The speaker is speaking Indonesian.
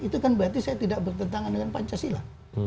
itu kan berarti saya tidak bertentangan dengan pancasila